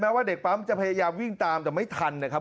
ว่าเด็กปั๊มจะพยายามวิ่งตามแต่ไม่ทันนะครับ